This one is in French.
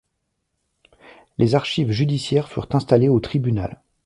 Les archives judiciaires furent installées au Tribunal.